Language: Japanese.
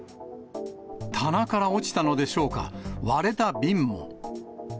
棚から落ちたのでしょうか、割れた瓶も。